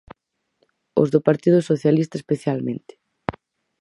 Os do Partido Socialista especialmente.